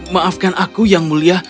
maafkan aku yang mulia